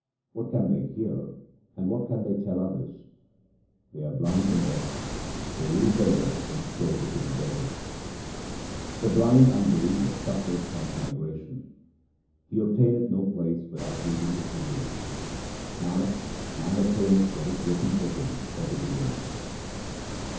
What can they hear and what can they tell others ? They are blind and deaf ; they lose their way and stray into the desert. The blind unbeliever suffereth transmigration. He obtaineth no place without meeting the true Guru. Nanak, man obtaineth what is written for him from the beginning.